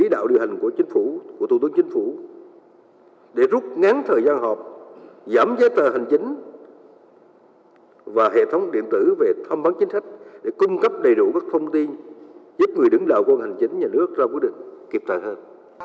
chỉ đạo điều hành của chính phủ của thủ tướng chính phủ để rút ngắn thời gian họp giảm giấy tờ hành chính và hệ thống điện tử về thông bắn chính sách để cung cấp đầy đủ các thông tin giúp người đứng đạo quân hành chính nhà nước ra quyết định kịp thời hơn